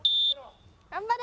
頑張れ！